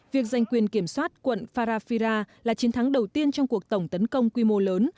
việc giành quyền kiểm soát quận pharafira là chiến thắng đầu tiên trong cuộc tổng tấn công quy mô lớn